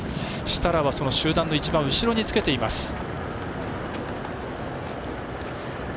設楽は集団の一番後ろにつけています。